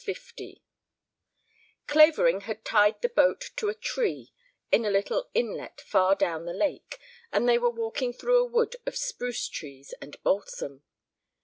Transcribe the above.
L Clavering had tied the boat to a tree in a little inlet far down the lake, and they were walking through a wood of spruce trees and balsam.